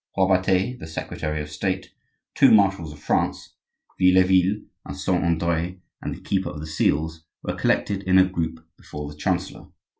Robertet, the secretary of State, two marshals of France, Vieilleville, and Saint Andre, and the keeper of the seals, were collected in a group before the chancellor.